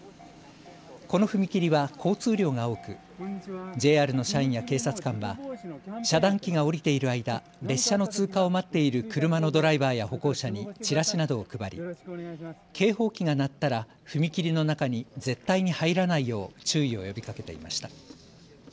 この踏切は交通量が多く、ＪＲの社員や警察官は遮断機が下りている間、列車の通過を待っている車のドライバーや歩行者にチラシなどを配り警報機が鳴ったら踏切の中に絶対に入らないよう注意を呼びかけていました。